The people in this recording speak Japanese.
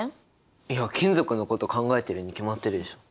いや金属のこと考えてるに決まってるでしょ！